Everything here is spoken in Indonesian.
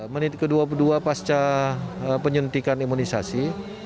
menit ke dua puluh dua pasca penyuntikan imunisasi